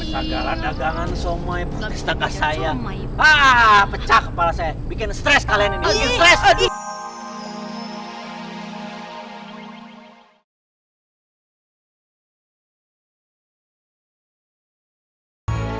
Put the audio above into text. sagaran dagangan somai putus dekat saya